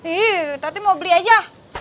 iya tadi mau beli aja